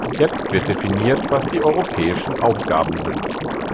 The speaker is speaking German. Jetzt wird definiert, was die europäischen Aufgaben sind.